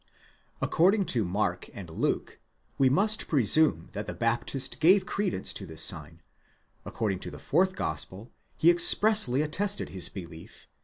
According to Mark and Luke, we must presume that the Baptist gave credence to this sign ; according to the fourth Gospel, he expressly attested his belief (i.